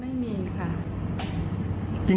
ไม่มีค่ะ